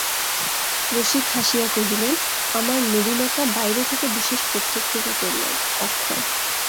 রসিক হাসিয়া কহিলেন, আমার নবীনতা বাইরে থেকে বিশেষ প্রত্যক্ষগোচর নয়– অক্ষয়।